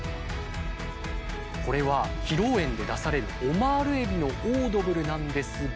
これは披露宴で出されるオマールエビのオードブルなんですが。